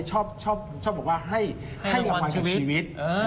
ชอบบอกว่าให้รางวัลชีวิต